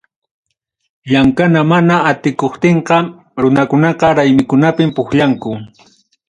Llamkana mana atikuptinqa, runakunaqa raymikunapim pukllanku.